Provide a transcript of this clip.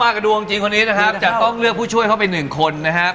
กับดวงจริงคนนี้นะครับจะต้องเลือกผู้ช่วยเข้าไปหนึ่งคนนะครับ